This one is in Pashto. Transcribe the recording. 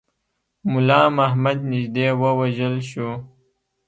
مُلا محمد نیژدې ووژل شو.